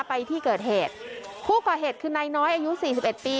ไปที่เกิดเหตุผู้ก่อเหตุคือนายน้อยอายุสี่สิบเอ็ดปี